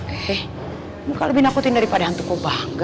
eh muka lebih nakutin daripada hantu kok bangga